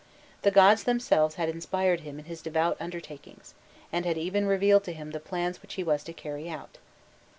The gods themselves had inspired him in his devout undertakings, and had even revealed to him the plans which he was to carry out.